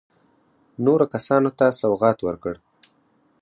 نورو کسانو ته سوغات ورکړ.